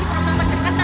gimana ini nggak ada